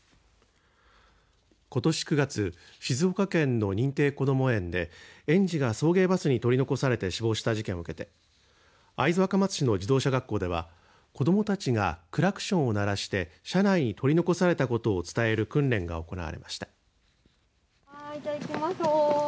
ことし９月静岡県の認定こども園で園児が送迎バスに取り残されて死亡した事件を受けて会津若松市の自動車学校では子どもたちがクラクションを鳴らして車内に取り残されたことを伝える訓練が行われました。